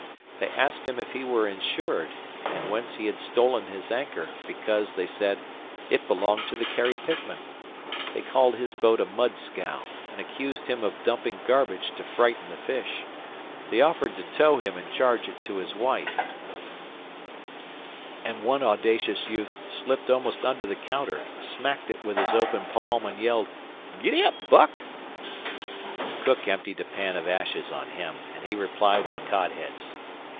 They asked him if he were insured; and whence he had stolen his anchor, because, they said, it belonged to the Carrie Pitman; they called his boat a mud scow, and accused him of dumping garbage to frighten the fish; they offered to tow him and charge it to his wife; and one audacious youth slipped up almost under the counter, smacked it with his open palm, and yelled: "Gid up, Buck!" The cook emptied a pan of ashes on him, and he replied with cod heads.